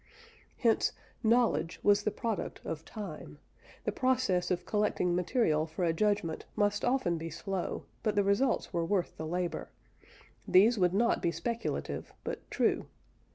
Hence, knowledge was the product of time; the process of collecting material for a judgment must often be slow, but the results were worth the labour these would not be speculative, but true.